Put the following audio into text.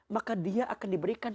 maka dia akan diberikan